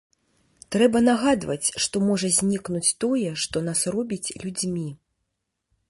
Трэба нагадваць, што можа знікнуць тое, што нас робіць людзьмі.